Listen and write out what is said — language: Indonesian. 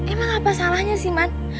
emang apa salahnya sih man